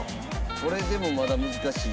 これでもまだ難しい。